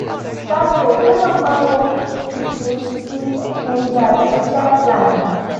The total number of species is in rapid decline.